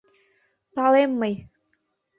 Палем мый!